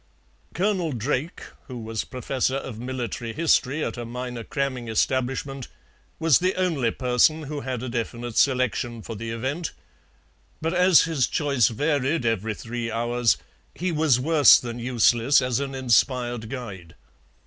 Colonel Drake, who was professor of military history at a minor cramming establishment, was the only person who had a definite selection for the event, but as his choice varied every three hours he was worse than useless as an inspired guide.